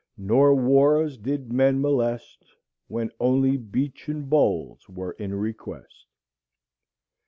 "Nor wars did men molest, When only beechen bowls were in request."